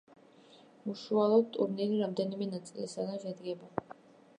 უშუალოდ ტურნირი რამდენიმე ნაწილისგან შედგება.